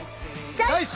チョイス！